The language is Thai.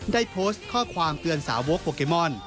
ได้โพสต์ข้อความเตือนสาวโว๊กโปเกมอน